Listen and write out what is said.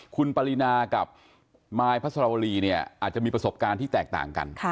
คุณปรินากับมายพระสรวรีเนี่ยอาจจะมีประสบการณ์ที่แตกต่างกัน